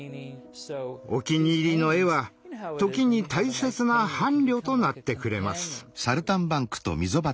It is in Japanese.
お気に入りの絵は時に大切な伴侶となってくれます。